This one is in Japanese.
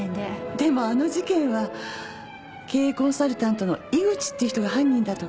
でもあの事件は経営コンサルタントの井口っていう人が犯人だとか。